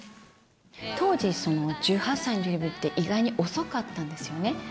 当時１８歳のデビューって、意外に遅かったんですよね。